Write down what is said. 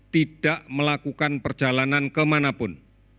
tidak melakukan perjalanan kemanapun